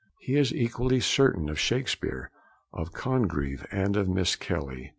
He is equally certain of Shakespeare, of Congreve, and of Miss Kelly.